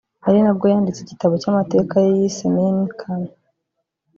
ari nabwo yanditse igitabo cy’amateka ye yise Mein Kampf